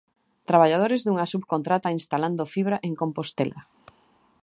Traballadores dunha subcontrata instalando fibra en Compostela.